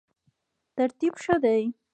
ترتیب ښه دی.